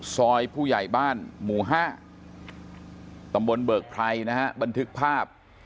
ผู้ใหญ่บ้านหมู่๕ตำบลเบิกไพรนะฮะบันทึกภาพ